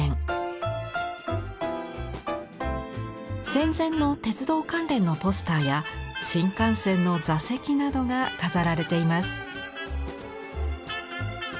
戦前の鉄道関連のポスターや新幹線の座席などが飾られています。